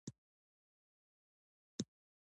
بد کار رسوا کیږي